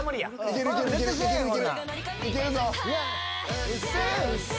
いけるぞ！